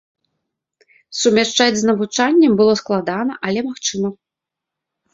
Сумяшчаць з навучаннем было складана, але магчыма.